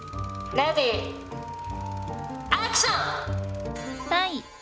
レディーアクション！